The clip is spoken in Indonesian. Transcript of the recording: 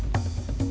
kau tidak bolehadasi